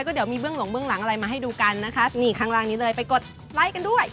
ก็เดี๋ยวมีเบื้องหลงเบื้องหลังอะไรมาให้ดูกันนะคะนี่ข้างล่างนี้เลยไปกดไลค์กันด้วย